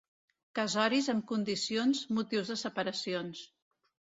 Casoris amb condicions, motius de separacions.